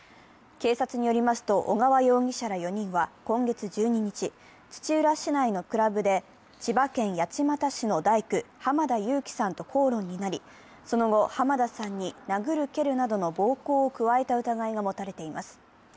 警察によりますと小川容疑者ら４人は今月１２日、土浦市内のクラブで千葉県八街市の大工、浜田夕輝さんと口論になり、その後浜田さんに殴る蹴るなどの暴行を加えた疑いが持たれています。